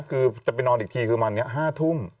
คือจะไปนอนอีกทีคือวันนี้๕ทุ่ม